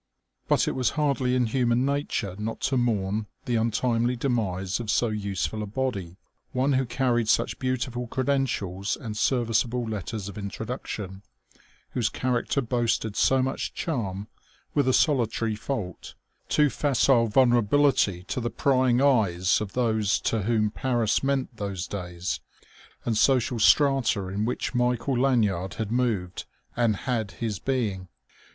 But it was hardly in human nature not to mourn the untimely demise of so useful a body, one who carried such beautiful credentials and serviceable letters of introduction, whose character boasted so much charm with a solitary fault too facile vulnerability to the prying eyes of those to whom Paris meant those days and social strata in which Michael Lanyard had moved and had his being.